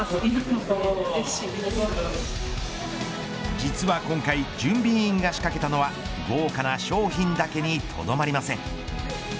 実は今回準備委員が仕掛けたのは豪華な商品だけにとどまりません。